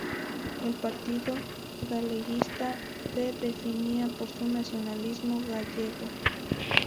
El Partido Galeguista se definía por su nacionalismo gallego.